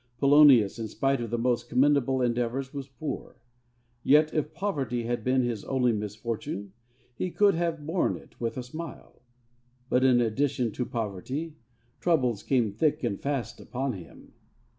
Polonius, in spite of the most commendable endeavours, was poor; yet if poverty had been his only misfortune he could have borne it with a smile. But, in addition to poverty, troubles came thick and fast upon him.